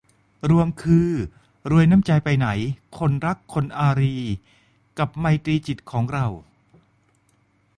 รวมคือรวยน้ำใจไปไหนคนรักคนอารีย์กับไมตรีจิตของเรา